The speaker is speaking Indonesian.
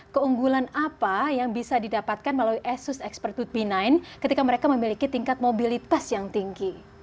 keunggulan apa yang bisa didapatkan melalui asus expert toot b sembilan ketika mereka memiliki tingkat mobilitas yang tinggi